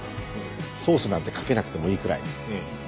ソースなんてかけなくてもいいくらい。